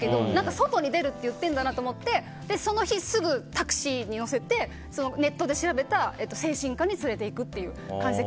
外に出ると言っているなと思ってその日にすぐ、タクシーに乗せてネットで調べた精神科に連れていくっていう感じで。